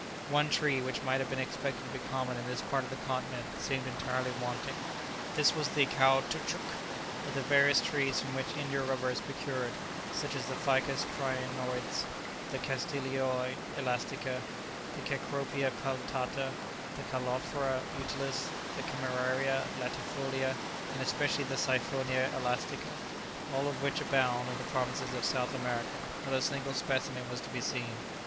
One tree which might have been expected to be common in this part of the continent seemed entirely wanting. This was the caoutchouc. Of the various trees from which India rubber is procured, such as the Ficus prinoides, the Castilioa elastica, the Cecropia peltata, the Callophora utilis, the Cameraria latifolia, and especially the Siphonia elastica, all of which abound in the provinces of South America, not a single specimen was to be seen.